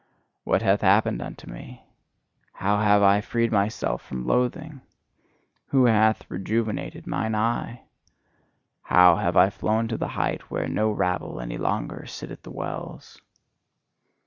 What hath happened unto me? How have I freed myself from loathing? Who hath rejuvenated mine eye? How have I flown to the height where no rabble any longer sit at the wells?